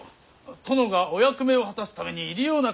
殿がお役目を果たすために入り用な金だ。